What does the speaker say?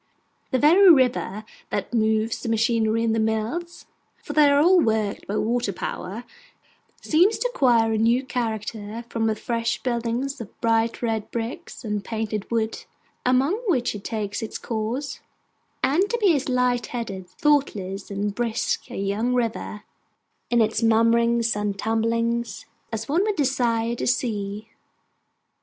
The very river that moves the machinery in the mills (for they are all worked by water power), seems to acquire a new character from the fresh buildings of bright red brick and painted wood among which it takes its course; and to be as light headed, thoughtless, and brisk a young river, in its murmurings and tumblings, as one would desire to see.